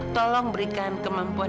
tolong berikan kemampuan